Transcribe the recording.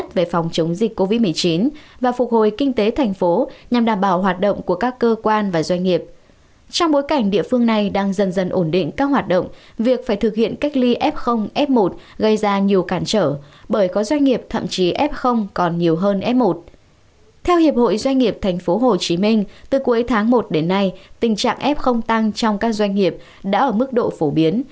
từ cuối tháng một đến nay tình trạng f tăng trong các doanh nghiệp đã ở mức độ phổ biến